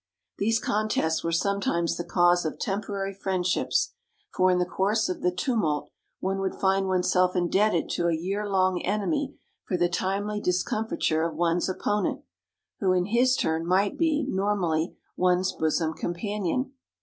These contests were sometimes the cause of tem porary friendships, for in the course of the tumult one would find oneself indebted to a year long enemy for the timely discomfiture of one's opponent, who in his turn might be, normally, one's bosom companion.